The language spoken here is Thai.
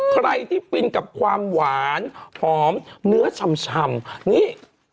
ใครที่ฟินกับความหวานหอมเนื้อชำนี่